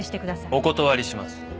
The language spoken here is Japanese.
お断りします。